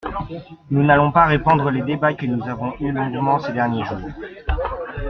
Nous n’allons pas reprendre les débats que nous avons eus longuement ces derniers jours.